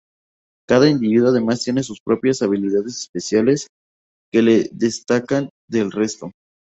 Cada individuo además tiene sus propias habilidades especiales que le destacan del resto.